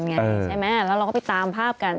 ใช่ไหมแล้วเราก็ไปตามภาพกัน